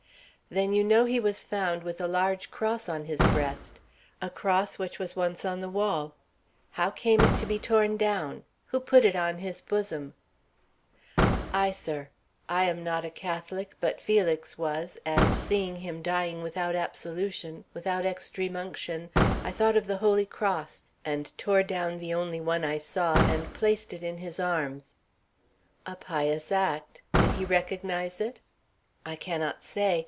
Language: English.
"Then you know he was found with a large cross on his breast, a cross which was once on the wall. How came it to be torn down? Who put it on his bosom?" "I, sir. I am not a Catholic but Felix was, and seeing him dying without absolution, without extreme unction, I thought of the holy cross, and tore down the only one I saw, and placed it in his arms." "A pious act. Did he recognize it?" "I cannot say.